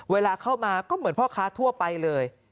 เวลาเข้ามาก็เหมือนพ่อค้าทั่วไปเลย